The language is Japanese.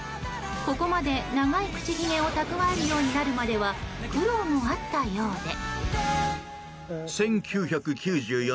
ここまで長い口ひげを蓄えるようになるまでには苦労もあったようで。